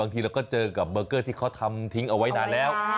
ทีเราก็เจอกับเบอร์เกอร์ที่เขาทำทิ้งเอาไว้นานแล้ว